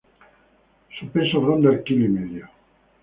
Su peso ronda el kilo y medio.